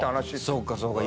そうかそうか。